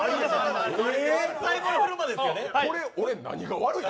これ、俺、何が悪い？